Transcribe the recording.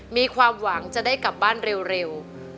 มีความหวังจะได้กลับบ้านเร็ว